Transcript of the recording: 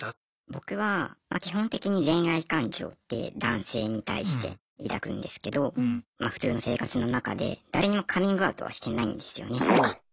僕は基本的に恋愛感情って男性に対して抱くんですけどま普通の生活の中で誰にもカミングアウトはしてないんですよね。